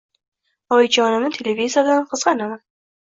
Oyijonimni televizordan qizg`anaman